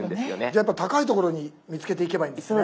やっぱ高い所に見つけていけばいいんですね。